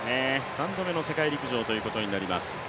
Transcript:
３度目の世界陸上ということになります。